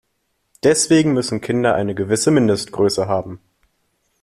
Deswegen müssen Kinder eine gewisse Mindestgröße haben.